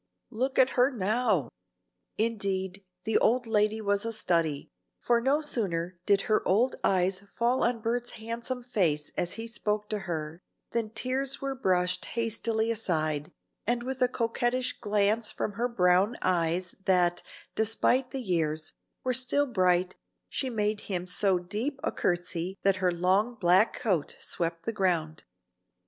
Look at her now." Indeed, the old lady was a study, for no sooner did her old eyes fall on Bert's handsome face as he spoke to her, than tears were brushed hastily aside, and with a coquettish glance from her brown eyes that, despite the years, were still bright, she made him so deep a curtsey that her long black coat swept the ground.